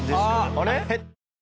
あれ？